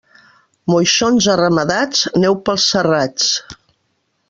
Moixons arramadats, neu pels serrats.